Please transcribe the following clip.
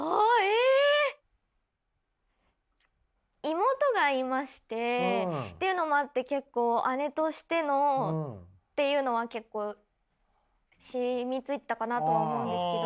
妹がいましてっていうのもあって結構姉としてのっていうのは結構染みついてたかなとは思うんですけど。